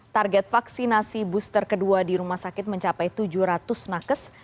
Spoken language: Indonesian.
target vaksinasi booster kedua di rumah sakit mencapai tujuh ratus nakes